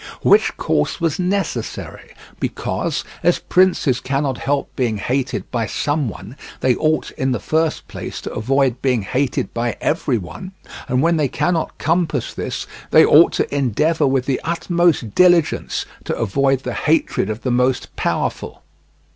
Which course was necessary, because, as princes cannot help being hated by someone, they ought, in the first place, to avoid being hated by every one, and when they cannot compass this, they ought to endeavour with the utmost diligence to avoid the hatred of the most powerful.